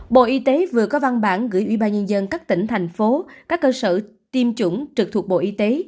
bộ y tế vừa có văn bản gửi ubnd các tỉnh thành phố các cơ sở tiêm chủng trực thuộc bộ y tế